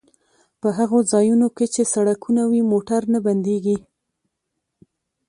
په هغو ځایونو کې چې سړکونه وي موټر نه بندیږي